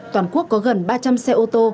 toàn quốc có gần ba trăm linh xe ô tô